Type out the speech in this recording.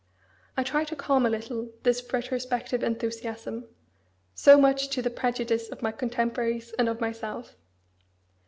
I tried to calm a little this retrospective enthusiasm, so much to the prejudice of my contemporaries and of myself.